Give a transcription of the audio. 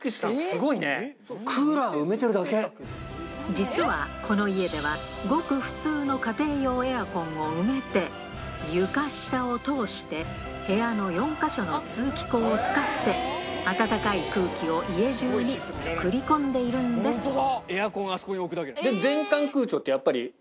実はこの家ではごく普通の家庭用エアコンを埋めて床下を通して部屋の４か所の通気口を使って暖かい空気を家じゅうに送り込んでいるんですうわ！